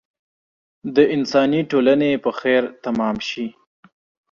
د انساني ټولنې په خیر تمام شي.